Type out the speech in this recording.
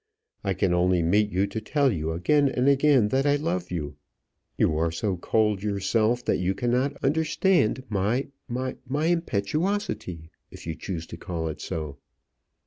I can only meet you to tell you again and again that I love you. You are so cold yourself that you cannot understand my my my impetuosity, if you choose to call it so."